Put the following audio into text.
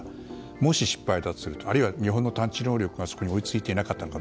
もし失敗だとするとあるいは日本の探知能力がそこに追いついていなかったのか。